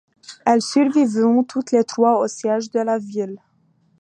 Elles survivront toutes les trois au siège de la ville.